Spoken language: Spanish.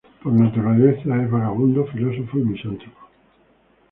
Por naturaleza es vagabundo, filósofo y misántropo.